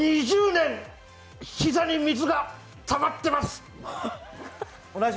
２０年ひざに水がたまってます。